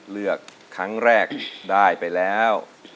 เลือกครั้งแรกได้ไปแล้ว